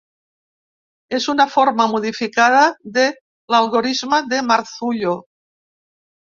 És una forma modificada de l'algorisme de Marzullo.